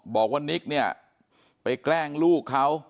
บอกว่านิกเนี่ยไปแกล้งลูกเขา